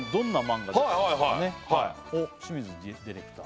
おっ清水ディレクター